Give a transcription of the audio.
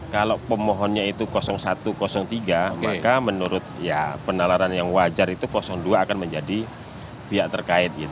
kalau pemohonnya itu satu tiga maka menurut ya penalaran yang wajar itu dua akan menjadi pihak terkait